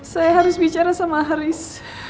saya harus bicara sama haris